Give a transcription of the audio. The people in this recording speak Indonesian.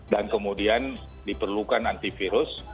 dan kemudian diperlukan antivirus